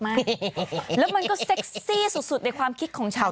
แล้วมันก็เซ็กซี่สุดในความคิดของฉัน